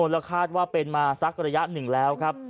แล้วคาดว่าเป็นมาสักระยะหนึ่งแล้วครับ